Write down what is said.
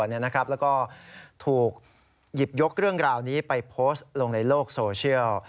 แล้วก็ถูกหยิบยกเรื่องราวนี้ไปโพสต์ลงในโลกโซเชียล